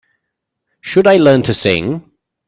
Should I learn to sing?